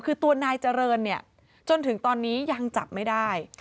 คือตัวนายเจริญเนี่ยจนถึงตอนนี้ยังจับไม่ได้